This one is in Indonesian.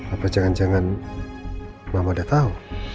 apa jangan jangan mama udah tahu